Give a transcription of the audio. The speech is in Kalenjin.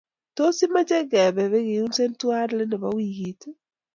tos imache kepenpikeunze tuay let Nepo wikit